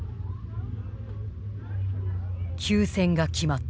休戦が決まった。